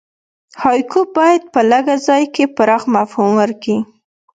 هایکو باید په لږ ځای کښي پراخ مفهوم ورکي.